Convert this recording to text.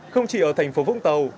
không chỉ ở thành phố vũng tàu